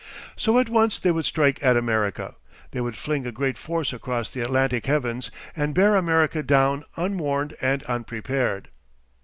So at once they would strike at America. They would fling a great force across the Atlantic heavens and bear America down unwarned and unprepared.